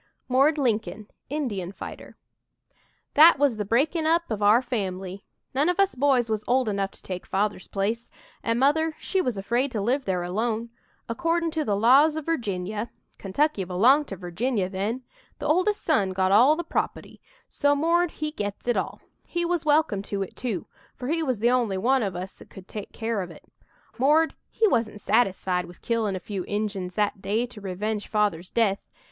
"MORD" LINCOLN, INDIAN FIGHTER "That was the breaking up of our family. None of us boys was old enough to take Father's place, an' Mother she was afraid to live there alone. Accordin' to the laws o' Virginia Kentucky belonged to Virginia then the oldest son got all the proputty, so 'Mord' he gets it all. He was welcome to it too, for he was the only one of us that could take care of it. 'Mord' he wasn't satisfied with killin' a few Injuns that day to revenge Father's death.